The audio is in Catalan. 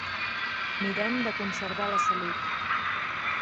Mirem de conservar la salut.